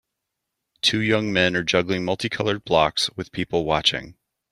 Two young men are juggling multicolored blocks with people watching.